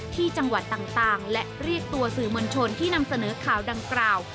ที่จังหวัดต่างและเรียกตัวสื่อมวลชนที่นำเสนอข่าวดังกล่าว